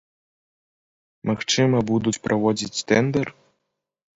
Магчыма, будуць праводзіць тэндар?